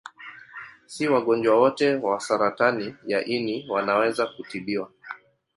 Si wagonjwa wote wa saratani ya ini wanaweza kutibiwa.